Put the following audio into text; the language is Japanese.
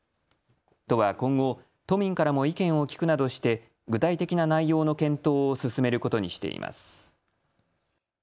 都は今後、都民からも意見を聞くなどして具体的な内容の検討を進めることにしています。